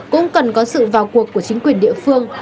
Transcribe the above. cũng cần có sự vào cuộc của chính quyền địa phương